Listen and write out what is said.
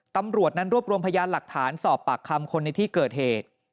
ตำรวจนั้นรวบรวมพยานหลักฐานสอบปากคำคนในที่เกิดเหตุ